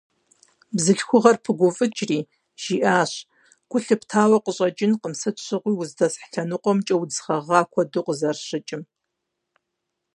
Бзылъхугъэр пыгуфӀыкӀри, жиӀащ: «Гу лъыптауэ къыщӀэкӀынкъым сыт щыгъуи уздэсхь лъэныкъуэмкӀэ удз гъэгъа куэду къызэрыщыкӀым».